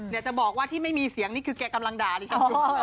เนี่ยจะบอกว่าที่ไม่มีเสียงนี่คือแกกำลังด่าเลยค่ะ